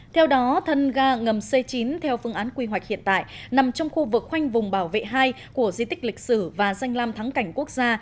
theo đó thân ga ngầm c chín theo phương án quy hoạch hiện tại nằm trong khu vực khoanh vùng bảo vệ hai của di tích lịch sử và danh lam thắng cảnh quốc gia